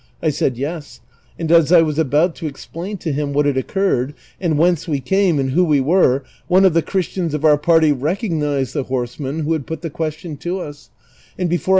I said yes, and as I was about to explain to liim what had occurred, and whence we came and who we were, one of the Christians of our i)arty recog nized the hoi'seman who had put the question to us, and before I 358 DON QUIXOTE.